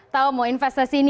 tahu mau investasi ini